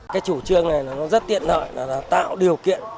cái chủ trường này nó rất tiện lợi là tạo điều kiện